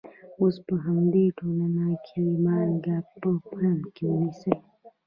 اوس په همدې ټولنه کې مالګه په پام کې ونیسئ.